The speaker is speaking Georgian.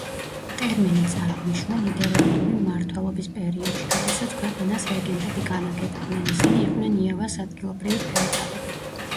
ტერმინი წარმოიშვა ნიდერლანდური მმართველობის პერიოდში, როდესაც ქვეყანას რეგენტები განაგებდნენ, ისინი იყვნენ იავას ადგილობრივი ფეოდალები.